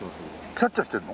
キャッチャーしてるの？